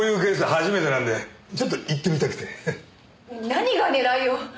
何が狙いよ！